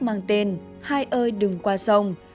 mang tên hai ơi đừng qua sông